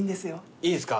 いいですか。